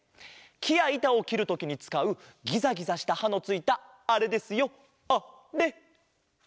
きやいたをきるときにつかうギザギザしたはのついたあれですよあれ！